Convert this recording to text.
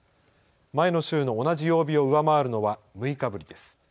前の週の同じ曜日を上回るのは６日ぶりです。